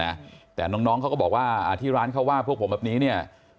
นะแต่น้องน้องเขาก็บอกว่าอ่าที่ร้านเขาว่าพวกผมแบบนี้เนี่ย